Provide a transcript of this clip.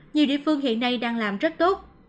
nhiều địa phương hiện nay đang làm rất tốt